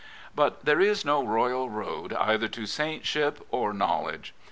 But there is no royal road either to saintship or knowledge.